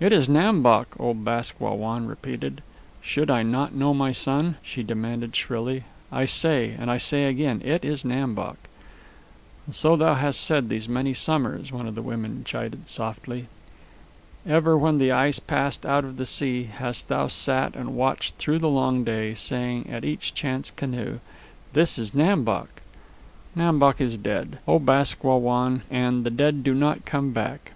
"It is Nam Bok," old Bask Wah Wan repeated. "Should I not know my son!" she demanded shrilly. "I say, and I say again, it is Nam Bok." "And so thou hast said these many summers," one of the women chided softly. "Ever when the ice passed out of the sea hast thou sat and watched through the long day, saying at each chance canoe, 'This is Nam Bok.' Nam Bok is dead, O Bask Wah Wan, and the dead do not come back.